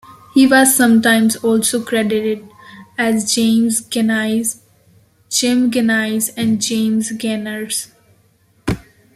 He was sometimes also credited as Jaimes Gaines, Jim Gaines, and James Gainers.